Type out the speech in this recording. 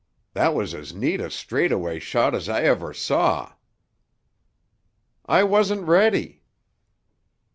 That was as neat a straightaway shot as I ever saw." "I wasn't ready."